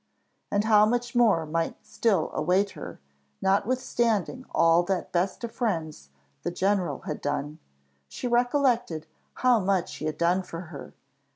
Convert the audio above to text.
And how much more might still await her, notwithstanding all that best of friends, the general, had done! She recollected how much he had done for her!